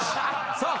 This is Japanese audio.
さあ